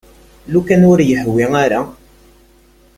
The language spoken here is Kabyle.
Lukan ur iyi-yehwi ara.